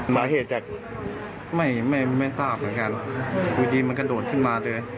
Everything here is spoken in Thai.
สาเหตุจากไม่ไม่ทราบเหมือนกันอยู่ดีมันกระโดดขึ้นมาเลย